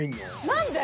何で？